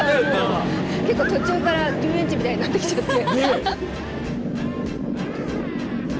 結構途中から遊園地みたいになってきちゃって。